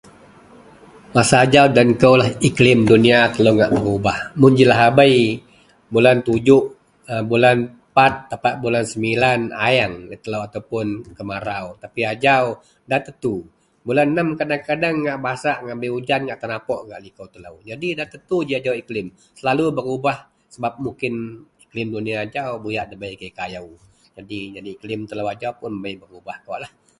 Masa ajau den koulah iklim dunia ngak berubah, mun ji lahabei bulan Tujuk, bulan Pat tapak bulan Semilan, ayeang ataupuun kemarau tapi ajau nda tetu, bulan Nem kadeng-kadeng ngak basak ngak buyak ujan ngak tenapok ngak gak likou telou nyadi nda tetu ji agei iklim selalu berubah sebap mungkin dunia ajau buyak debei kayou nyadi iklim telou ajau nyadi berubah kawaklah